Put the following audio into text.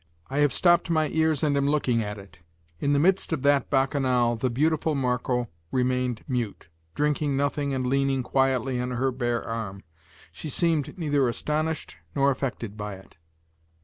"I have stopped my ears and am looking at it." In the midst of that bacchanal the beautiful Marco remained mute, drinking nothing and leaning quietly on her bare arm. She seemed neither astonished nor affected by it.